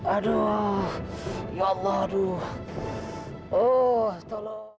aduh ya allah aduh oh tolong